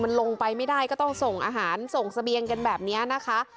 มันลงไปไม่ได้ก็ต้องส่งอาหารส่งเสบียงกันแบบนี้นะคะ